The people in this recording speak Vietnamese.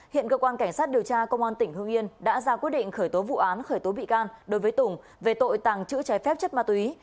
hiện cơ quan cảnh sát điều tra công an tỉnh hương yên đã ra quyết định khởi tố vụ án khởi tố bị can đối với tùng về tội tàng trữ trái phép chất ma túy